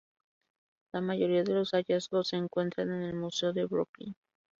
La mayoría de los hallazgos se encuentran en el Museo de Brooklyn.